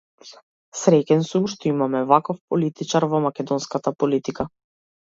Среќен сум што имаме ваков политичар во македонската политика.